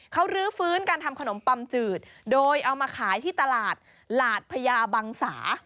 เขารื้อฟื้นการทำขนมปัมจืดโดยเอามาขายที่ตลาดหลาดพญาบังสา